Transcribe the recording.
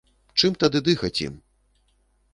Чым тады дыхаць ім?